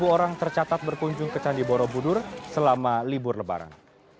dua puluh orang tercatat berkunjung ke candi borobudur selama libur lebaran